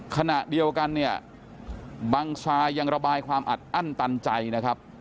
ขณะเดียวกันเนี่ยบังซายังระบายความอัดอั้นตันใจนะครับ